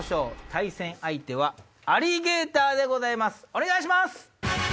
対戦相手はアリゲーターですお願いします！